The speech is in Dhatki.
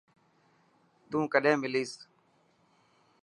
تون ڪڏين مليس.